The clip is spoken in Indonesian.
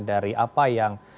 dari apa yang